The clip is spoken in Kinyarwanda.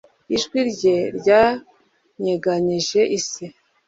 ijwi rye ryanyeganyeje isi